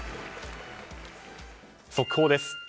速報です。